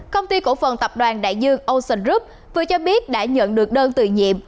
công ty cổ phần tập đoàn đại dương ocean group vừa cho biết đã nhận được đơn tự nhiệm